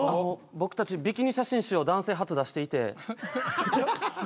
僕たちビキニ写真集を男性初出していて。